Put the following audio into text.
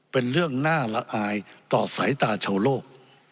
เป็นเรื่องน่าละอายต่อสายตาชาวโลก